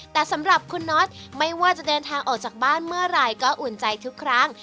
แต่สำหรับคุณน็อตไม่ว่าจะเดินทางออกจากบ้านเมื่อไหร่ก็อุ่นใจทุกครั้ง